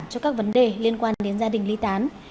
cho các vấn đề liên quan đến gia đình ly tán